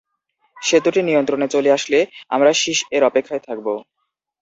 সেতুটি নিয়ন্ত্রণে চলে আসলে, আমার শিস এর অপেক্ষায় থাকবে।